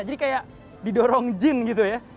jadi kayak didorong jin gitu ya